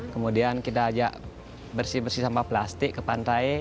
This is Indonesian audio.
kemudian kita ajak bersih bersih sampah plastik ke pantai